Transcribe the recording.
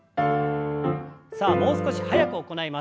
さあもう少し早く行います。